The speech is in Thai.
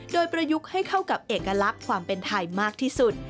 โดยประยุกต์ให้เข้ากับเอกลักษณ์ความเป็นไทยมากที่สุด